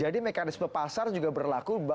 mekanisme pasar juga berlaku